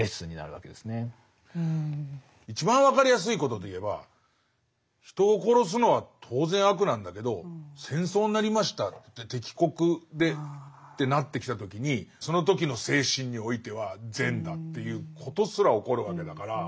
一番分かりやすいことでいえば人を殺すのは当然悪なんだけど戦争になりましたって敵国でってなってきた時にその時の精神においては善だということすら起こるわけだから。